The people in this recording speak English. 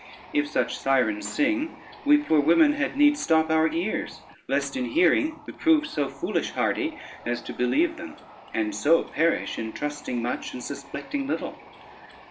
If such Sirens sing, we poor women had need stop our ears, lest in hearing we prove so foolish hardy as to believe them, and so perish in trusting much and suspecting little.